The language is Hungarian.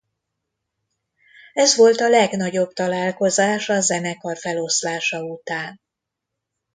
Ez volt a legnagyobb találkozás a zenekar feloszlása után.